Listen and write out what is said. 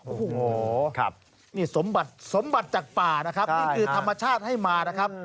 โอ้โหนี่สมบัติสมบัติจากป่านะครับนี่คือธรรมชาติให้มานะครับ